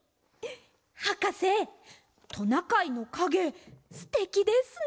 はかせトナカイのかげすてきですね！